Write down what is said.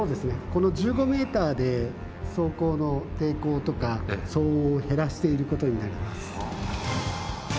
この１５ｍで走行の抵抗とか騒音を減らしていることになります。